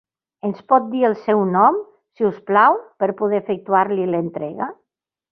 Ens pot dir el seu nom, si us plau, per poder efectuar-li l'entrega?